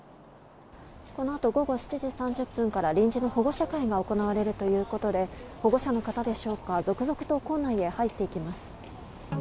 このあと午後７時３０分から臨時の保護者説明会が行われるということで保護者の方でしょうか続々と校内へ入っていきます。